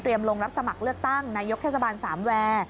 เตรียมรองรับสมัครเลือกตั้งไนยกทรศาสตร์สามแว